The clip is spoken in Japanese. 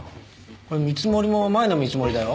これ見積もりも前の見積もりだよ？